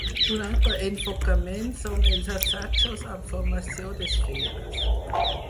Un altre enfocament són els assajos amb formació d'esferes.